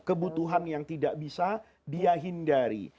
kebutuhan yang tidak bisa dihindari